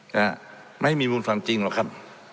แต่ไม่มีมุมฟันจริงหรอกครับ